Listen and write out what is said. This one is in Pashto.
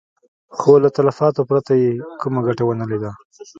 خو له تلفاتو پرته يې کومه ګټه ونه ليده.